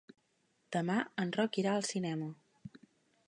Demà en Roc irà al cinema.